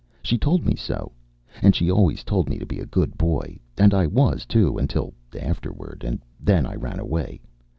She told me so. And she always told me to be a good boy. And I was, too, until afterward, and then I ran away.